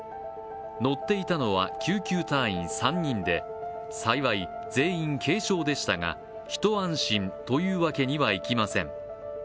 乗っていたのは、救急隊員３人で幸い、全員軽傷でしたがひと安心というわけにはいきません。